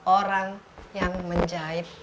orang yang menjahit